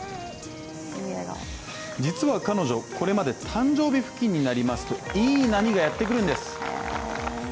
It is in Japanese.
実は彼女、これまで誕生日付近になりますといい波がやってくるんです。